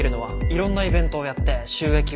いろんなイベントをやって収益を上げる。